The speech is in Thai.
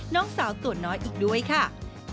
น้องสาวตัวน้อยอีกด้วยค่ะ